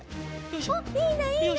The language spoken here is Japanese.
おっいいねいいね！